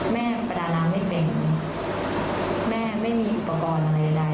ประดาน้ำไม่เป็นแม่ไม่มีอุปกรณ์อะไรใด